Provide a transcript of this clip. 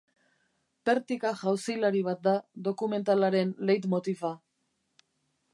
Pertika jauzilari bat da dokumentalaren leitmotiva.